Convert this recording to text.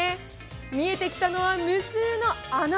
見えてきたのは、無数の穴。